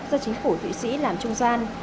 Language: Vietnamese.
do chính phủ thụy sĩ làm trung gian